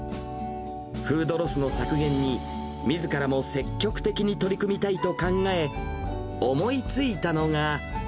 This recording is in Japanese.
フードロスの削減に、みずからも積極的に取り組みたいと考え、思いついたのが。